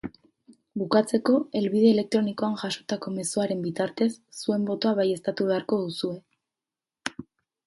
Bukatzeko, helbide elektronikoan jasotako mezuaren bitartez, zuen botoa baieztatu beharko duzue.